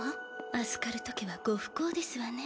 アスカルト家はご不幸ですわね。